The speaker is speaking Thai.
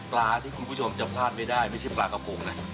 ปลาที่คุณผู้ชมจะพลาดไม่ได้ไม่ใช่ปลากับผมน่ะ